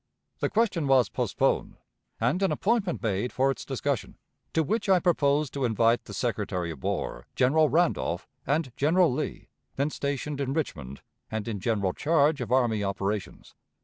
The question was postponed, and an appointment made for its discussion, to which I proposed to invite the Secretary of War, General Randolph, and General Lee, then stationed in Richmond, and in general charge of army operations.